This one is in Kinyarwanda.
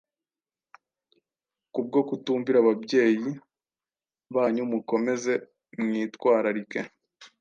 Kubwo kutumvira aababyeyi banyu mukomeze mwitwararike